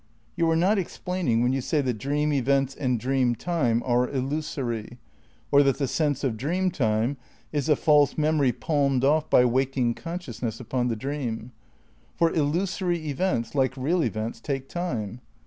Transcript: You are not explaining when you say that dream events and dream time are illusory, or that the sense of dream time is a false memory palmed off by waking consciousness upon the dream. For illusory events, like real events, take time.